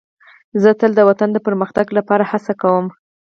زه تل د وطن د پرمختګ لپاره هڅه کوم.